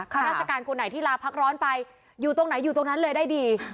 ข้าราชการคนไหนที่ลาพักร้อนไปอยู่ตรงไหนอยู่ตรงนั้นเลยได้ดี